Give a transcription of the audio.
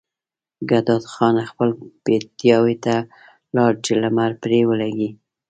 ګلداد خان خپل پیتاوي ته لاړ چې لمر پرې ولګي.